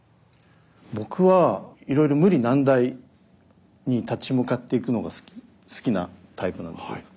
僕はいろいろ無理難題に立ち向かっていくのが好きなタイプなんですね。